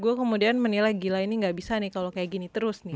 gue kemudian menilai gila ini gak bisa nih kalau kayak gini terus nih